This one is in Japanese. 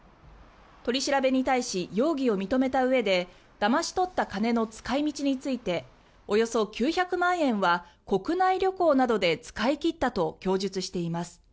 取り調べに対し容疑を認めたうえでだまし取った金の使い道についておよそ９００万円は国内旅行などで使い切ったと供述しています。